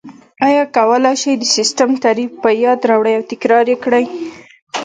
ایا کولای شئ د سیسټم تعریف په یاد راوړئ او تکرار یې کړئ؟